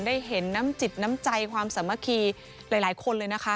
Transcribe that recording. ได้เห็นน้ำจิตน้ำใจความสามัคคีหลายคนเลยนะคะ